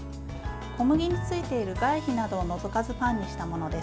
小麦についている外皮などを除かずパンにしたものです。